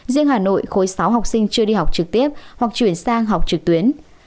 riêng hà nội khối sáu học sinh chưa đi học trực tiếp hoặc chuyển sang học trực tuyến